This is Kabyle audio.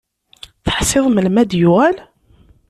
Teḥṣiḍ melmi ara d-yuɣal?